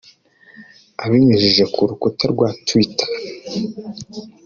Abinyujije ku rukuta rwa Twitter